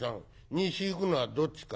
西行くのはどっちかえ』